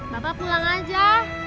bapak pulang aja